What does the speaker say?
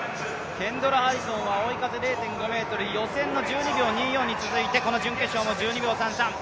ケンドラ・ハリソンは追い風０．５メートル予選の１２秒２４に続いて、こちらも１２秒３３。